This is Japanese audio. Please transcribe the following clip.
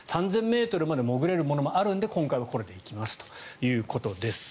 ３０００ｍまで潜れるのもあるので今回はこれで行きますと。